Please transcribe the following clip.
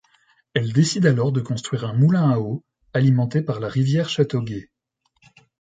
Elle décide alors de construire un moulin à eau alimenté par la rivière Châteauguay.